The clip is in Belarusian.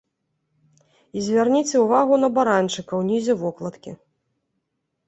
І звярніце ўвагу на баранчыка ўнізе вокладкі!